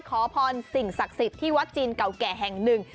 ขอพรสิ่งศักดิ์สิทธิ์ที่วัดจีนเก่าแก่แห่งหนึ่ง